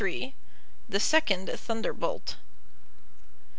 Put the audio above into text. THE SECOND THUNDERBOLT.